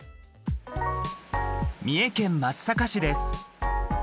三重県松阪市です。